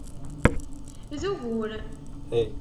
D ugur!